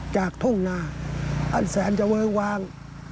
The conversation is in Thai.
จากทุ่งหน้าอันแสนจะเวิงวาง